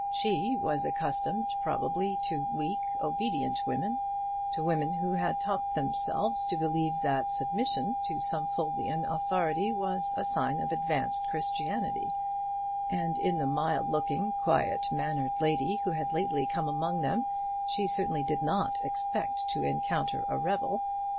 She was accustomed, probably, to weak, obedient women, to women who had taught themselves to believe that submission to Stumfoldian authority was a sign of advanced Christianity; and in the mild looking, quiet mannered lady who had lately come among them, she certainly did not expect to encounter a rebel.